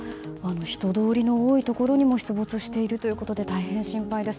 人通りの多いところにも出没しているということで大変心配です。